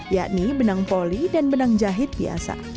yakni benang poli dan benang jahit biasa